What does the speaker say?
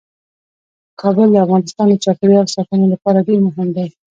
کابل د افغانستان د چاپیریال ساتنې لپاره ډیر مهم دی.